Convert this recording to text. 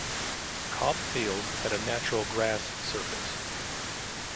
Cobb Field had a natural grass surface.